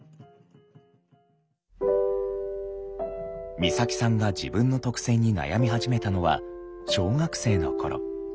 光沙季さんが自分の特性に悩み始めたのは小学生の頃。